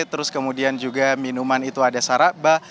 terus kemudian juga minuman itu ada saraba